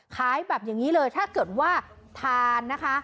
ขายแบบอย่างนี้เลยถ้าเกิดว่าทานนะคะ